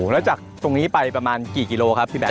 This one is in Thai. แล้วจากตรงนี้ไปประมาณกี่กิโลครับพี่แ